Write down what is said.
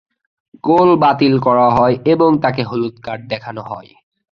গোল বাতিল করা হয় এবং তাকে হলুদ কার্ড দেখানো হয়।